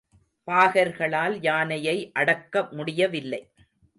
பாகர்களால் யானையை அடக்க முடியவில்லை.